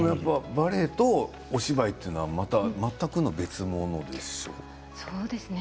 バレエとお芝居というのは全くの別物ですよね。